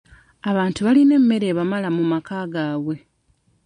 Abantu balina emmere ebamala mu maka gaabwe.